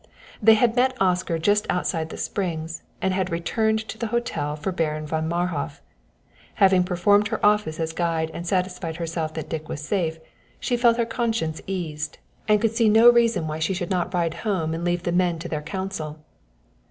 They had met Oscar just outside the Springs, and had returned to the hotel for Baron von Marhof. Having performed her office as guide and satisfied herself that Dick was safe, she felt her conscience eased, and could see no reason why she should not ride home and leave the men to their council.